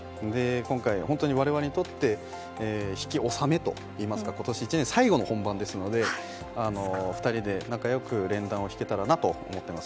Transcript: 今回、私たちにとって弾き納めといいますか今年１年最後の本番ですので２人で仲良く連弾を弾けたらなと思ってます。